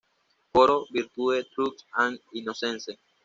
Coro: Virtue, truth, and innocence.